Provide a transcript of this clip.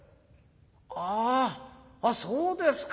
「あああっそうですか。